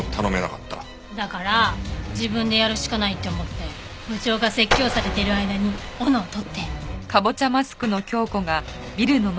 だから自分でやるしかないって思って部長が説教されてる間に斧を取って。